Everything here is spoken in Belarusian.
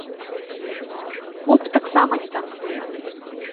Поп таксама не танцуе.